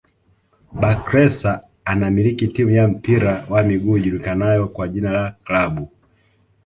Bakhresa anamiliki timu ya mpira wa miguu ijulikanayo kwa jina la klabu